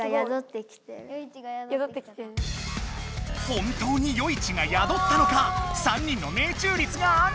本当に与一が宿ったのか３人の命中率が上がっていく！